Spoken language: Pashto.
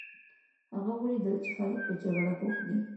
هغه ولیدل چې خلک په جګړه بوخت دي.